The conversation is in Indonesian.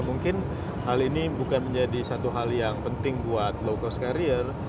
mungkin hal ini bukan menjadi satu hal yang penting buat low cost carrier